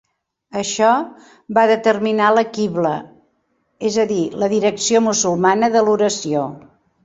Això va determinar la Qibla, és a dir, la direcció musulmana de l'oració.